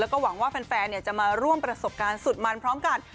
แล้วก็หวังว่าแฟนจะมาร่วมประสบการณ์สุดมันพร้อมกัน